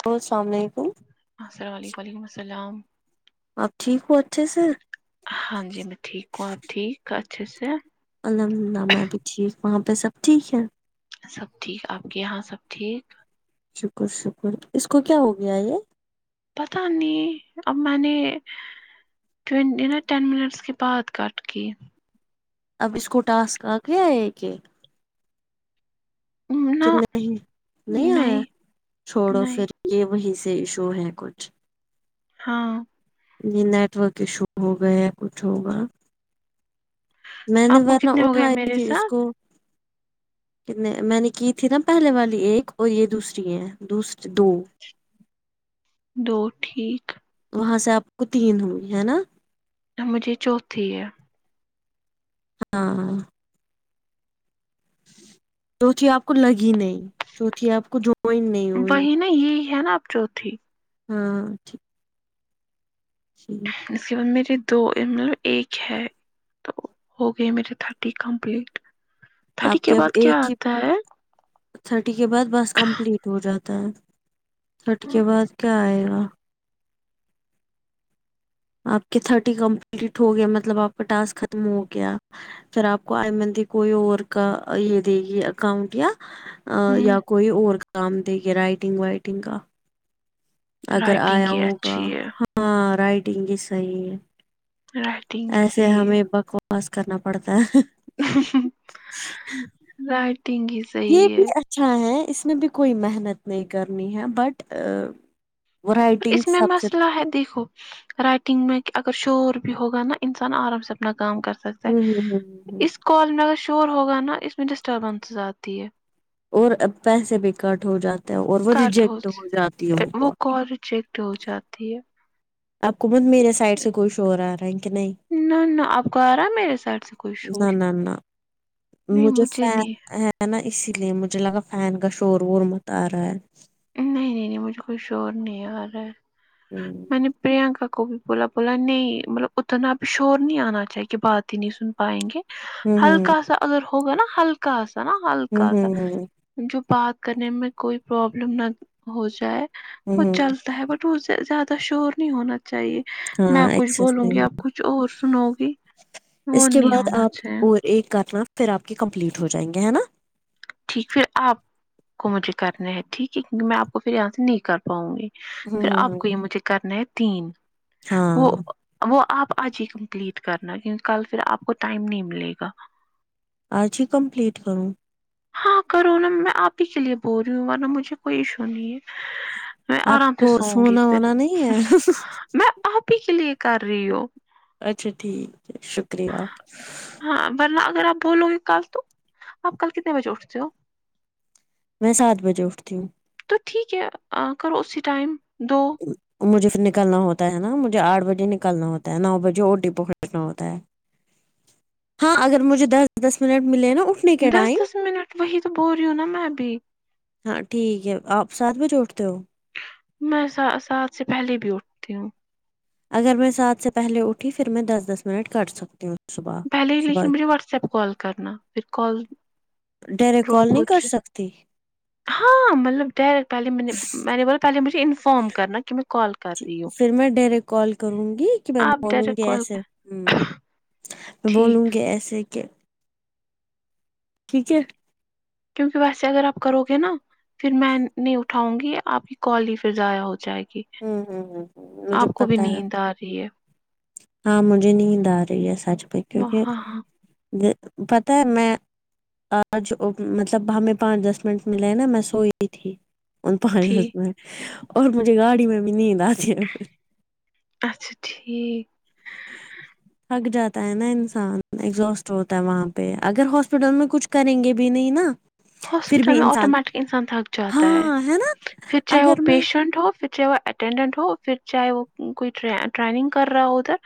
hello السلام علیکم السلام علیکم و علیکم السلام آپ ٹھیک ہو اچھے سے ہاں جی میں ٹھیک ہوں آپ ٹھیک اچھے سے ہیں الحمد للہ میں بھی ٹھیک وہاں پہ سب ٹھیک ہے سب ٹھیک آپ کے یہاں سب ٹھیک شکر شکر اس کو کیا ہو گیا یہ پتہ نہیں اماں نے ٹینڈے نا ٹین منٹس کے بعد کاٹکے اب اس کو ٹاسک آ گیا ایک کہ کہ نہ نہیں نہیں آیا چھوڑو نہیں پھر یہ وہیں سے ایشو ہے کچھ ہاں جی نیٹ ورک ایشو ہو گیا کچھ ہوگا میں نے آپ کو ورنہ کتنے ہو گئے اٹھایا میرے تھی پھر اس ساتھ کو میں نے کی تھی نا پہلے والی ایک اور یہ دوسری ہیں دوسری دو دو ٹھیک وہاں سے آپ کو تین ہوئی ہے نا اب مجھے چوتھی ہے ہاں چوتھی آپ کو لگی نہیں چوتھی آپ کو جوائن نہیں ہوئی وہی نا یہ ہے نا اب چوتھی ہاں ٹھیک صحیح ہے اس کے بعد میرے دو ان میں ایک ہے تو ہو گئے میرے تھرٹی کمپلیٹ تھرٹی آپ کے اب بعد کیا ایک ہی آتا ہے تھرٹی کے بعد بس کمپلیٹ ہو جاتا ہے تھرٹی کے ہے بعد کیا آئے گا آپ کے تھرٹی کمپلیٹ ہو گیے مطلب آپ کا ٹاسک ختم ہو گیا پھر آپ کو آئی مندی کوئی اور کا یہ دے گی اکاؤنٹ یا آ یا کوئی اور کام دے گی رائٹنگ وائٹنگ کا اگر رائٹنگ آیا ہی ہوگا اچھی ہے ہاں رائٹنگ ہی صحیح رائٹنگ ہی ایسے صحیح ہمیں بکواس کرنا پڑتا ہے رائٹگ از یہ بھی اچھا ہے اس میں بھی کوئی محنت نہیں کرنی ہے بٹ وہ رائٹنگ اس میں سب سے مسئلہ ہے دیکھو رائٹنگ میں کہ اگر شور بھی ہوگا نا انسان آرام سے اپنا کام کرتا سکتا ہوں ہ ہ ہے ہ اس کال میں اگر شور ہوگا نا اس میں ڈسٹربنس آتی ہے اور اب پیسے بھی کٹ ہو جاتے ہیں اور وہ ریجیکٹ ہو جاتی ہے ان کو چیکڈ ہو جاتی ہے آپ کو بت میرے سائڈ سے کچھ شور آرہا ہے کہ نہیں نہ نہ آپ کو آ رہا میرے سائڈ سے کوئی شور نہ نہ نہ نہیں مجھے نہیں ہے نا اسی لیے مجھے لگا فین کا شور وور مت آ رہا ہے نہیں نہیں نہیں مجھے کوئی شور نہیں آ رہا ہے ہوں میں نے پرینکا کو بھی بولا بولا نہیں مطلب اتنا بھی شور نہیں آنا چاہیے کہ بات ہی نہیں سن پائیں گے ہوں ہوں ہلکا سا اگر ہوگا نا ہلکا سا نا ہوں ہلکا سا ہوں ہوں جو بات کرنے میں کوئی پرابلم نہ ہو جائے ہوں وہ ہوں چلتا ہے بٹ تو زیادہ شور نہیں ہونا چاہیے میں ہاں کچھ ایکسس بولوں نہیں گی ہو آپ کچھ اور سنو گی وہ اس کے نہیں بعد ہونا آپ چاہے اور ایک کرنا پھر آپ کے کمپلیٹ ہو جائیں گے ہے نا ٹھیک ہے پھر آپ کو مجھے کرنا ہے ٹھیک ہے کی میں آپ کو پھر یہاں سے نہیں کر پاؤں گی پھر ہوں ہوں آپ ہوں کو یہ مجھے کرنا ہے تین وہ ہاں وہ آپ آج ہی کمپلیٹ کرنا کیونکہ کل پھر آپ کو ٹائم نہیں ملے گا آج ہی کمپلیٹ کروں ہاں کرو نا میں آپ ہی کے لیے بول رہی ہوں ورنہ مجھے کوئی ایشو نہیں ہے میں آپ آرام سے کو سوؤں گی سونا فر وونا نہیں ہے میں آپ ہی کے لیے کر رہی ہوں اچھا ٹھیک ہے شکریہ ہاں ورنہ اگر آپ بولو گے کل تو آپ کل کتنے بجے اٹھتے ہو میں سات بجے اٹھتی ہوں تو ٹھیک ہے کرو اسی ٹائم دو مجھے پھر نکلنا ہوتا ہے نا مجھے آٹھ بجے نکلنا ہوتا ہے نو بجے اور ڈیپو خریدنا ہوتا ہے ہاں اگر مجھے دس دس منٹ ملے نا اٹھنے کے دس ٹائم دس منٹ وہی تو بول رہی ہوں نا میں بھی ہاں ٹھیک ہے آپ سات بجے اٹھتے ہو میں سا سات سے پہلے بھی اٹھتی ہوں اگر میں سات سے پہلے اٹھی پھر میں دس دس منٹ کاٹ سکتی ہوں صبح پہلے ہی صبح لیکن مجھے واٹس ایپ کال کرنا پھر کال ڈائریکٹ کال ڈراپ ہو نہیں کر جائے سکتی ہاں مطلب ڈائریکٹ پہلے میں نے میں نے بولا پہلے مجھے انفارم کرنا کہ میں کال کر جی رہی ہوں پھر میں ڈائریکٹ کال کروں گی کہ میں آپ بولوں ڈائریکٹ گی کال ایسے ہوں کر میں بولوں ٹھیک گی ایسے کہ ٹھیک ہے کیونکہ ویسے اگر آپ کرو گے نا پھر میں نہیں اٹھاوں گی آپ کی کال ہی پھر ضائع ہو جائے گی ہ ہ مجھے آپ کو بھی پتا ہے نیند آ رہی ہے ہاں مجھے نیند آ رہی ہے سچ پہ کیونکہ ہاں ہاں پتہ ہے میں آج مطلب ہمیں پانچ دس منٹ ملے ہیں نا میں سوئی تھی ان پانچ دس ٹھیک منٹ اور مجھے گاڑی میں بھی نیند آتی ہے پھر اچھا ٹھیک [inaudible] تھک جاتا ہے نا انسان ایگزوسٹ ہوتا ہے وہاں پہ اگر ہاسپٹل میں کچھ کریں گے بھی نہیں نا پھر ہاسپٹل بھی میں انسان آٹومیٹک انسان تھک جاتا ہے ہاں نا پھر چاہے وہ اگر میں پیشنٹ ہو پھر چاہے وہ اٹینڈنٹ ہو پھر چاہے وہ کوئی ٹریننگ کر رہا ہو ادھر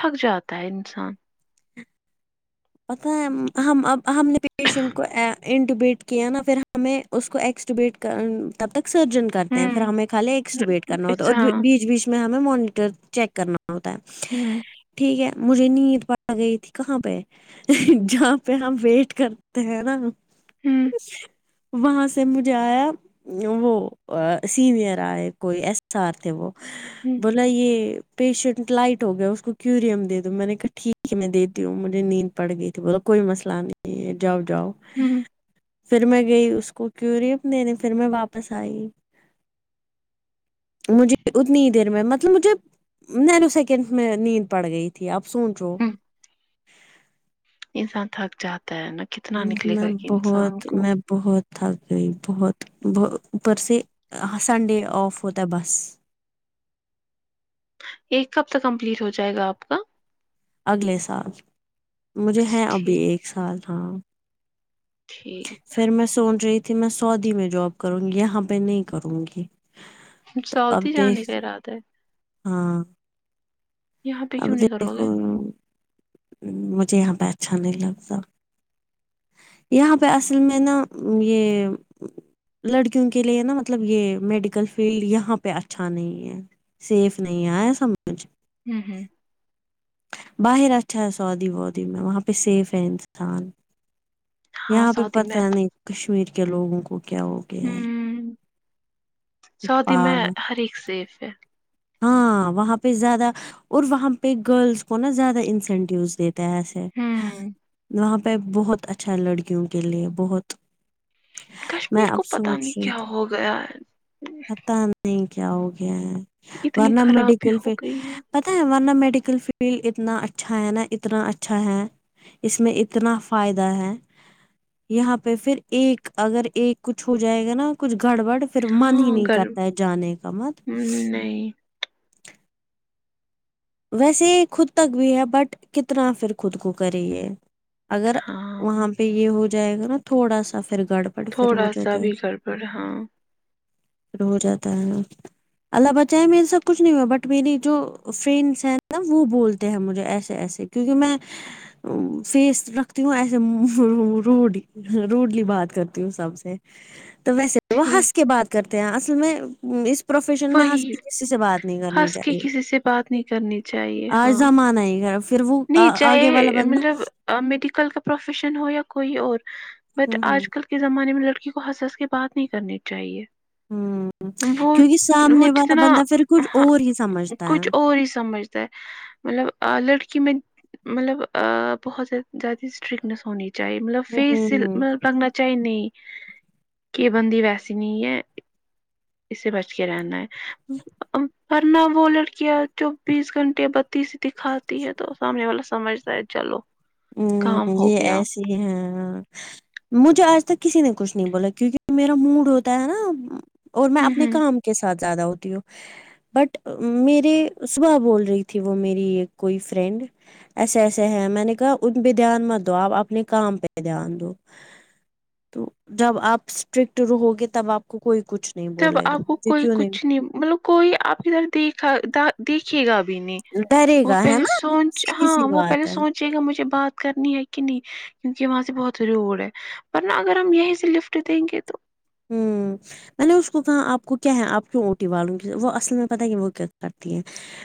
تھک جاتا ہے انسان پتا ہے ہم اب ہم نے پیشنٹ کو اے این ڈبیٹ کیا نا پھر ہمیں اس کو ایکس ڈبیٹ کر تب تک سرجن کر کرتے ہیں پھر ہوں ہمیں خالی ایکسٹویٹ کرنا ہوتا ہے ہاں اور بیچ بیچ میں ہمیں مونیٹر چیک کرنا ہوتا ہے ہوں ٹھیک ہے مجھے نیند پڑ گئی تھی کہاں پہ جہاں پہ ہم ویٹ کرتے ہیں نا ہوں وہاں سے مجھے آیا وہ سینئر آئے کوئی ایس سار تھے وہ ہوں بولا یہ پیشنٹ لائٹ ہو گیا اس کو کیوریم دے دو میں نے کہا ٹھیک ہے میں دیتی ہوں مجھے مجھے نیند پڑ گئی تھی بولا کوئی مسئلہ نہیں جاو جاو ہوں پھر میں گئی اس کو کیوریم دینے پھر میں واپس آئی مجھے اتنی ہی دیر میں مطلب مجھے نینو سیکنڈس میں نیند پڑ گئی تھی آپ سوچو [inaudible] [inaudible] انسان تھک جاتا ہے نا کتنا نکلے میں گا کہ انسان بہت کو میں بہت تھک گئی بہت بت اوپر سے سنڈے آف ہوتا ہے بس ایک کب تک کمپلیٹ ہو جائے گا آپ کا اگلے سال مجھے اچھا ہیں ابھی ٹھیک ایک سال ہاں ٹھیک پھر میں سوچ رہی تھی میں سعودی میں جاب کروں گی یہاں پہ نہیں کروں گی سعو اب دی جانے دیکھ کا ارادہ ہے ہاں یہاں پہ اب کیوں نہیں کرو دیکھو گے مجھے یہاں پہ اچھا نہیں لگتا یہاں پہ اصل میں نا یہ لڑکیوں کے لیے نا مطلب یہ میڈیکل فیلڈ یہاں پہ اچھا نہیں ہے سیف نہیں ہے آیا سمجھ ہوں ہوں باہر آ اچھا سعودی وعودی میں وہاں پہ سیف ہے انسان ہاں یہاں پہ سعودی میں پتا نہیں کشمیر کے لوگوں کو کیا ہو گیا ہے ہوں سعودی میں پاگل ہر ایک سیف ہے ہاں وہاں پہ زیادہ اور وہاں پہ گرلس کو نا زیادہ انسینٹیو دے تے ہیں ایسے ہوں وہاں پہ بہت اچھا لڑکیوں کے لیے بہت میں کشمیر کو اب پتا سونچ نہیں رہی کیا تھی ہو گیا ہے پتا نہیں نہیں کیا ہو گیا ہے اتنی ورنہ خرابی میڈیکل ہو فیلڈ گئی پتا ہے ورنہ میڈیکل فیلڈ اتنا اچھا ہے نا اتنا اچھا ہے اس میں اتنا فائدہ ہے یہاں پہ پھر ایک اگر ایک کچھ ہو جائے گا نا کچھ گڑ بڑ پھر من ہی ہاں نہیں گر کرتا ہے جانے کا مت نہیں ویسے خود تک بھی ہے بٹ کتنا پھر خود کو کرے یہ اگر ہاں وہاں پہ یہ ہو جائے گا نا تھوڑا سا پھر گڑ پٹ پھر ہو تھوڑا سا جاتا ہیں بھی گڑبڑ ہاں ہو جاتا ہے نا اللہ بچائے میر سب کچھ نہیں ہوا بٹ میری جو ف ہے نا وہ بولتے ہیں مجھے ایسے ایسے کیونکہ میں فیس رکھتی ہوں ایسے دو رو روڈی روڈلی بات کرتی ہوں سب سے تو ویسے وہ ٹھیک ہنس کے بات کرتے ہیں اصل میں اس پروفیشن میں ہنس وہی کے کسی سے بات نہیں کرنی ہنس کے چاہیے کسی سے بات نہیں کرنی چاہیے آج ہاں زمان آئے گا پھر وہ نہیں آگے والا چاہے بندہ مطلب میڈیکل کا پروفیشن ہو یا کوئی اور بٹ ہوں ہوں آج کل کے زمانے میں لڑکی کو ہنس ہس کے بات نہیں کرنی چاہیے ہوں وہ کیونکہ وہ سامنے والا جتنا بندہ پھر کچھ ہاں اور ہی سمجھتا ہے کچھ اور ہی سمجھتا ہے مطلب لڑکی میں مطلب آ بہت زیادہ اسٹرکنیس ہونی تھی چاہیے مطلب ہوں فیس م لگنا چاہیے نہیں کہ بند ویسی نہیں ہے اس سے بچ کے رہنا ہے ورنہ وہ لڑکیاں چوبیس گھنٹے بتیس دکھا تی ہے تو سامنے والا سمجھتا ہے چلو ہ کام ہو یہ گیا ایسے ہی ہیں ہاں مجھے آج تک کسی نے کچھ نہیں بولا کیونکہ میرا موڈ ہوتا ہے نا اور میں ہ اپنے ہ کام کے ساتھ زیادہ ہوتی ہوں بٹ میرے صبح بول رہی تھی وہ میری ایک کوئی فرینڈ ایسے ایسے ہے میں نے کہا ان پہ دھیان مت دو آپ اپنے کام پہ دھیان دو تو جب آپ اسٹرکٹ رو گے تب آپ کو کوئی کچھ نہیں جب بولے گا آپ کو مجھے کوئی کیوں کچھ نہیں مطلب کوئی آپ ادھر دیکھا گا بھی نہیں ڈرے وہ گا ہے پہلے نا سوچ سیدھی سی ہاں وہ بات پہلے ہے سوچے گا مجھے بات کرنی ہے کہ نہیں کیونکہ وہاں سے بہت ہوی اوڑ ہے ورنہ اگر ہم یہیں سے لفٹ دیں گے تو ہوں میں نے اس کو کہا آپ کو کیا ہے آپ کیوں اوٹی والوں گی وہ اصل میں پتا ہے کہ وہ کیا کرتی ہیں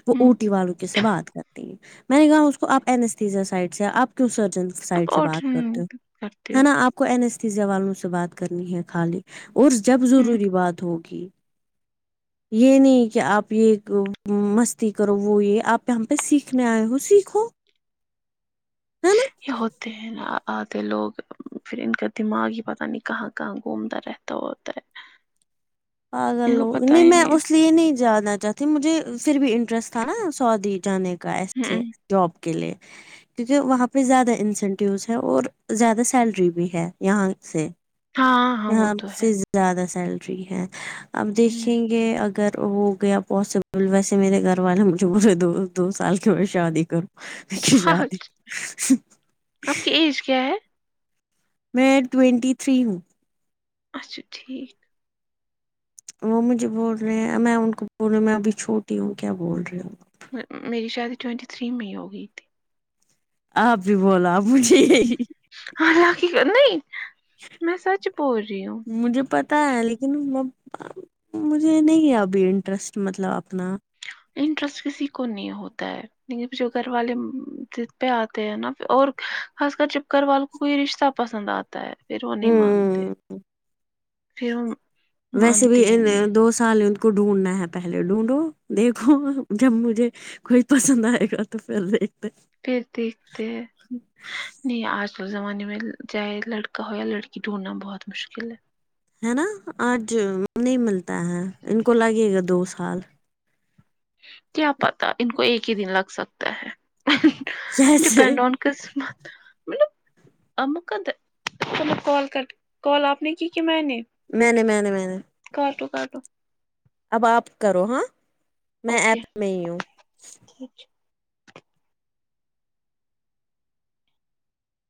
وہ ہوں اوٹی والوں کے س بات کرتی ہیں میں نے کہا اس کو آپ ازا سائڈ سے آپ کیوں سرجن اب سائڈ سے اور بات کرتے ہو کرتے ہو ہے نا آپ کو اینستزیا والوں سے بات کرنی ہے خالی اور جب ہ ضروری بات ہوگی یہ نہیں کہ آپ یہ مستی کرو وہ یہ آپ یہاں پہ سیکھنے آئے ہو سیکھو ہے نا یہ ہوتے ہیں ن آتے لوگ پھر ان کا دماغ ہی پتہ نہیں کہاں کہاں گھومتا رہتا ہوتا ہے پاگل ان کو لو پتا نہیں ہی میں اس لیے نہیں جانا چاہتی مجھے پھر بھی انٹرسٹ تھا نا سعودی جانے کا کا ایسے ہ جاب کے لیے کیونکہ وہاں پہ زیادہ انسینٹیوز ہے اور زیادہ سیلری بھی ہے یہاں سے ہاں ہاں وہ یہاں تو ہے سے زیادہ سیلری ہے اب ہوں، دیکھیں گے اگر ہو گیا پاسبل ویسے میرے گھر والے مجھے پورے دو دو سال کے میں شادی کروں م ہاں ہاں، شادی آپ کی ایج کیا ہے میں ٹوینٹی تھری ہوں اچھا ٹھیک وہ مجھے بول رہے ہیں میں ان کو بول رہا ہوں میں ابھی چھوٹی ہوں کیا بول رہی ہوں میری شادی ٹوئینٹی تھری مئی ہو گئی تھی آپ بھی بولا آپ مھے ہاں اللہ کی کر نہیں میں سچ بول رہی ہوں مجھے پت تا ہے لیکن مجھے نہیں ہے ابھی انٹرسٹ مطلب اپنا انٹرسٹ کسی کو نہیں ہوتا ہے پ جو گھر والے ضد پہ آتے ہیں نا پھر اور خاص کر جب گھر وال کوئی رشتہ پسند آتا ہے پھر وہ نہیں مانتے ہوں پھر وہ ویسے بھی مانتے ہی نہیں دو سال کو ڈھونڈنا ہے پہلے ڈھونڈو دیکھو جب مجھے کوئی پسند آئے گا تو پھر دیکھتے پھر دیکھتے ہیں نہیں آج کل زمانے میں چاہے لڑکا ہو یا لڑکی ڈھونڈھنا بہت مشکل ہے ہے نا آج نہیں ملتا ہے ان کو لگے گا دو سال کیا پتا ان کو ایک ہی دن لگ سکتا ہے کیسے ڈپینڈ آن قسمت مطلب اق [unintelligible] کال کر کال آپ نے کی کی میں نے میں نے میں نے میں نے کٹو کاٹو اب آپ کرو ہاں میں ایپ میں ہی ہوں ٹھیک